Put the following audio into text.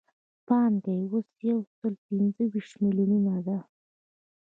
پانګه یې اوس یو سل پنځه ویشت میلیونه ده